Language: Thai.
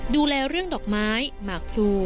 ดูแลเรื่องดอกไม้หมากพลู